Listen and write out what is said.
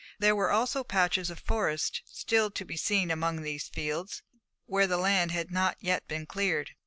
There were also patches of forest still to be seen among these fields, where the land had not yet been cleared.